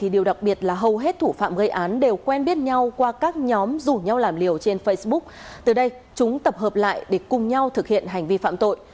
do hai đối tượng trong quá trình thực hiện hành vi phạm tội